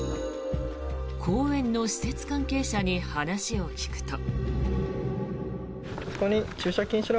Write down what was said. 公園の施設関係者に話を聞くと。